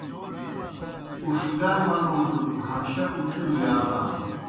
اُوݜگر منُوڙوْ ہمشہ اُڇِیؤ یازانوْ۔